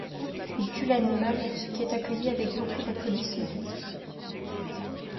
Il tue l'animal, ce qui est accueilli avec beaucoup d'applaudissements.